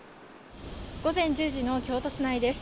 午前１０時の京都市内です。